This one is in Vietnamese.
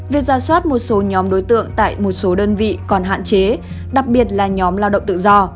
việc ra soát một số nhóm đối tượng tại một số đơn vị còn hạn chế đặc biệt là nhóm lao động tự do